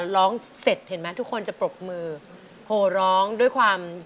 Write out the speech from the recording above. เรื่องว